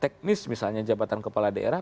teknis misalnya jabatan kepala daerah